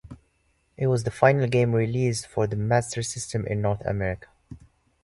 It was the final game released for the Master System in North America.